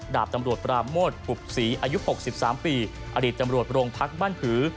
ดาบตำรวจปราโมทอุบศรีอายุ๖๓ปีอดีตตำรวจโรงพักบ้านผือ